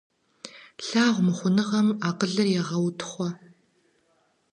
Лъагъумыхъуныгъэм акъылыр егъэутхъуэ.